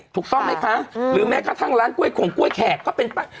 ถูกต้องไหมคะหรือแม้กระทั่งร้านกล้วยขงกล้วยแขกก็เป็นไป